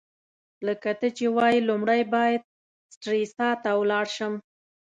لکه ته چي وايې، لومړی باید سټریسا ته ولاړ شم.